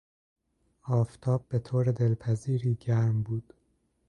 آفتاب به طور دلپذیری گرم بود.